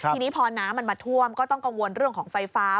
ทีนี้พอน้ำมันมาท่วมก็ต้องกังวลเรื่องของไฟฟ้า